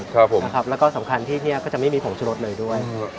ครับผมแล้วก็สำคัญที่เนี้ยก็จะไม่มีผงชูรสเลยด้วยอืม